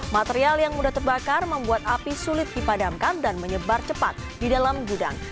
material yang mudah terbakar membuat api sulit dipadamkan dan menyebar cepat di dalam gudang